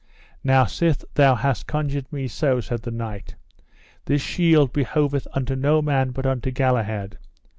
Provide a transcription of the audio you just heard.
Now sith thou hast conjured me so, said the knight, this shield behoveth unto no man but unto Galahad.